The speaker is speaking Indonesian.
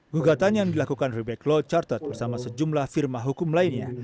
gugatan yang dilakukan ribek law chartod bersama sejumlah firma hukum lainnya